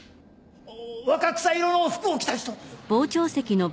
若草色の服を着た人。